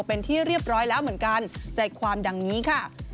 เป็นที่เรียบร้อยแล้วเหมือนกันใจความดังนี้ค่ะ